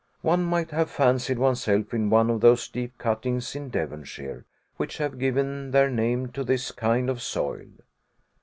One might have fancied oneself in one of those deep cuttings in Devonshire, which have given their name to this kind of soil.